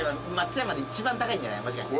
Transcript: もしかして。